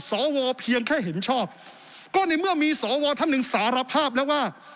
สวเพียงแค่เห็นชอบก็ในเมื่อมีสวท่านหนึ่งสารภาพแล้วว่า